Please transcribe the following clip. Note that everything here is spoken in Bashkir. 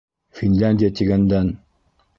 Финляндия тигәндән.